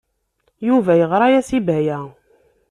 Yuba yeɣra-as i Baya.